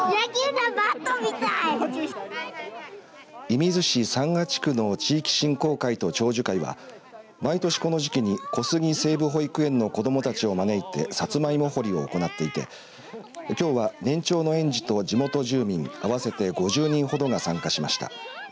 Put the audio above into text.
射水市三ケ地区の地域振興会と長寿会は毎年この時期に小杉西部保育園の子どもたちを招いてさつまいも堀りを行っていてきょうは年長の園児と地元住人合わせて５０人ほどが参加しました。